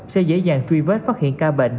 sẽ dễ dàng truy vết phát hiện ca bệnh